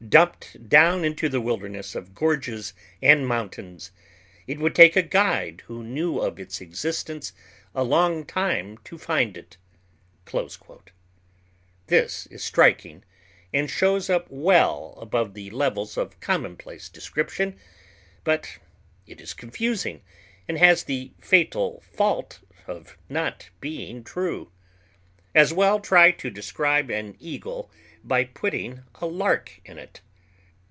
Dumped down into the wilderness of gorges and mountains, it would take a guide who knew of its existence a long time to find it." This is striking, and shows up well above the levels of commonplace description, but it is confusing, and has the fatal fault of not being true. As well try to describe an eagle by putting a lark in it.